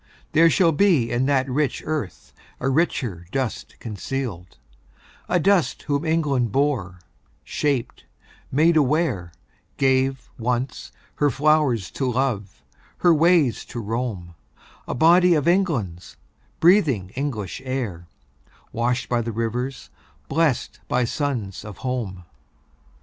There shall be In that rich earth a richer dust concealed; A dust whom England bore, shaped, made aware, Gave, once, her flowers to love, her ways to roam, A body of England's, breathing English air, Washed by the rivers, blest by suns of home.